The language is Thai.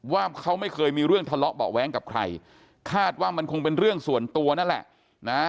ว่าเขาไม่เคยมีเรื่องทะเลาะเบาะแว้งกับใครคาดว่ามันคงเป็นเรื่องส่วนตัวนั่นแหละนะ